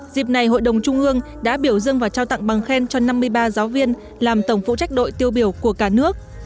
dịp này hội đồng trung ương đã biểu dương và trao tặng bằng khen cho năm mươi ba giáo viên làm tổng phụ trách đội tiêu biểu của cả nước